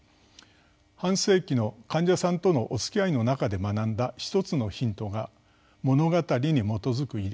半世紀の患者さんとのおつきあいの中で学んだ一つのヒントが「物語に基づく医療」です。